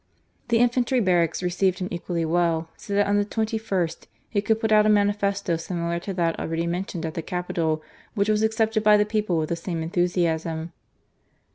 The infentry barracks recdved him equally well, so that oh the 2ist he could put out a manifesto simiter to that already mentioned at the Capital, which was accepted by the people with the same enthusiasm.